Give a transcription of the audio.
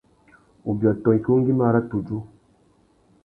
Ubiôtô ikú ngüimá râ tudju.